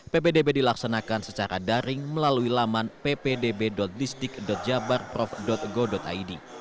ppdb dilaksanakan secara daring melalui laman ppdb distrik jabarprof go id